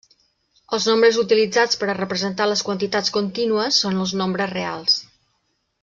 Els nombres utilitzats per a representar les quantitats contínues són els nombres reals.